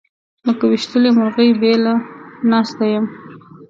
لکه ويشتلې مرغۍ بېله ناسته یمه